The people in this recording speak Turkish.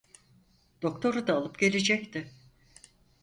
Doktoru da alıp gelecekti.